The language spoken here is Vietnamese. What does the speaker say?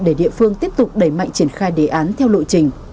để địa phương tiếp tục đẩy mạnh triển khai đề án theo lộ trình